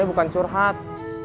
saya bukan curhat